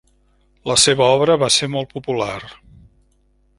La seva obra va ser molt popular.